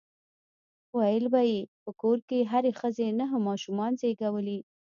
ويل به يې په کور کې هرې ښځې نهه ماشومان زيږولي.